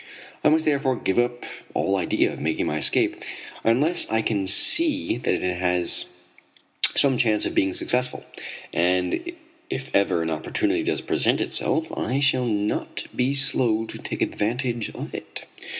I must therefore give up all idea of making my escape, unless I can see that it has some chance of being successful, and if ever an opportunity does present itself I shall not be slow to take advantage of it.